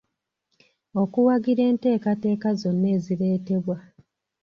Okuwagira enteekateeka zonna ezireetebwa.